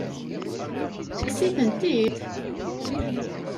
Tekkes-itent-id?